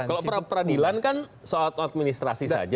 kalau peradilan kan soal administrasi saja